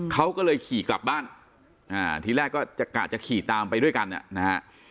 เขาก็เลยขี่กลับบ้านทีแรกก็จะกะจะขี่ตามไปด้วยกันนะฮะ